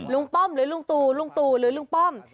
ป้อมหรือลุงตูลุงตูหรือลุงป้อม